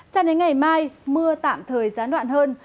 sang đến ngày mai mưa tạm thời gián đoạn hơn